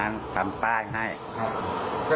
อินไปตามกระแส